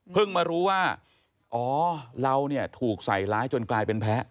เพิ่งมารู้ว่าอ๋อเราถูกใส่ร้ายจนกลายเป็นแพ้